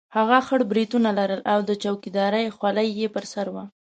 هغه خړ برېتونه لرل او د چوکیدارۍ خولۍ یې پر سر وه.